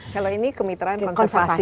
kalau ini kemitraan konservasi